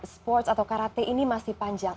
sports atau karate ini masih panjang